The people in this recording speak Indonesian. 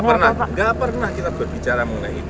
tidak pernah kita berbicara mengenai itu